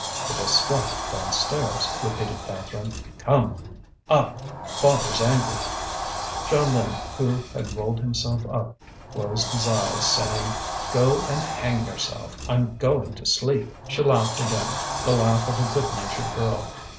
"It has struck downstairs," repeated Catherine; "come! up! father's angry." Jeanlin, who had rolled himself up, closed his eyes, saying: "Go and hang yourself; I'm going to sleep." She laughed again, the laugh of a good natured girl.